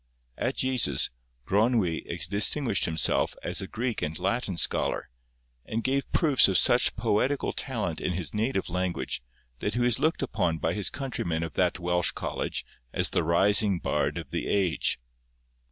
At Jesus, Gronwy distinguished himself as a Greek and Latin scholar, and gave proofs of such poetical talent in his native language that he was looked upon by his countrymen of that Welsh college as the rising bard of the age.